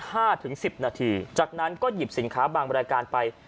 ห้าถึงสิบนาทีจากนั้นก็หยิบสินค้าบางรายการไป